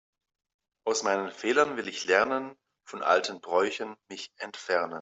Aus meinen Fehlern will ich lernen, von alten Bräuchen mich entfernen.